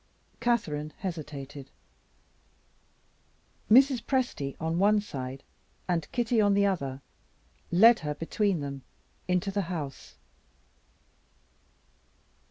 Catherine hesitated. Mrs. Presty on one side, and Kitty on the other, led her between them into the house.